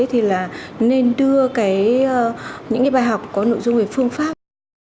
thì nên đưa những bài học có nội dung về phương pháp